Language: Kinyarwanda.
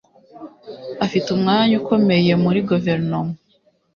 Afite umwanya ukomeye muri guverinoma.